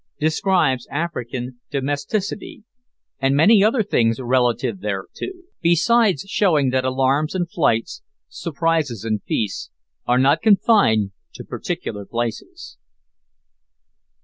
DESCRIBES AFRICAN DOMESTICITY, AND MANY OTHER THINGS RELATIVE THERETO, BESIDES SHOWING THAT ALARMS AND FLIGHTS, SURPRISES AND FEASTS, ARE NOT CONFINED TO PARTICULAR PLACES.